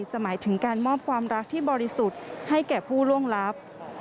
หมายถึงการมอบความรักที่บริสุทธิ์ให้แก่ผู้ล่วงลับ